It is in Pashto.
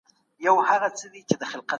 جانانه ما درسره کوم بد کړي دينه